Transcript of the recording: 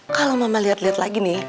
kalau mama liat liat lagi nih